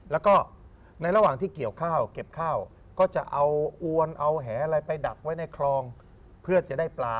แล้วก็ในระหว่างที่เกี่ยวข้าวเก็บข้าวก็จะเอาอวนเอาแหอะไรไปดักไว้ในคลองเพื่อจะได้ปลา